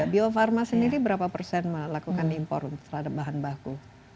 biopharma sendiri berapa persen melakukan impor terhadap bahan baku